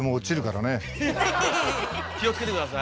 気をつけて下さい！